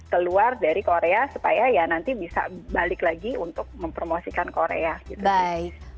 keluar dari korea supaya ya nanti bisa balik lagi untuk mempromosikan korea gitu sih